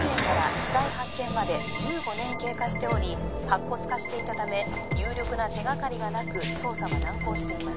遺体発見まで１５年経過しており白骨化していたため有力な手がかりがなく捜査は難航しています